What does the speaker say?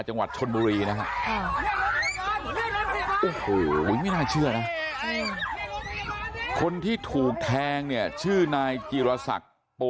จังหวัดชนบุรีนะฮะเออโหไม่ในเชื่อนะคนที่ถูกแทงเนี่ยชื่อนายกิรสัก